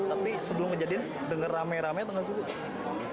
tapi sebelum kejadian dengar rame rame atau nggak suguh